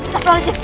tidak perlu kita